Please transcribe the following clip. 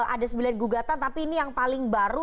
ada sembilan gugatan tapi ini yang paling baru